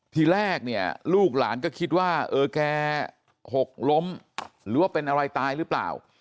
ทีแรกเนี่ยลูกหลานก็คิดว่าเออแกหกล้มหรือว่าเป็นอะไรตายหรือเปล่า